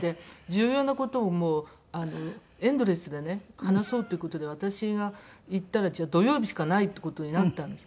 重要な事をエンドレスで話そうっていう事で私が言ったらじゃあ土曜日しかないって事になったんです。